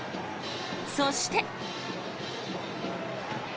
そして。